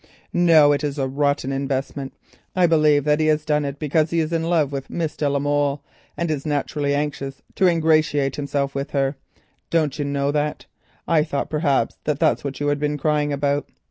"No, it is a rotten investment. I believe that he has done it because he is in love with Miss de la Molle, and is naturally anxious to ingratiate himself with her. Don't you know that? I thought perhaps that was what you had been crying about?"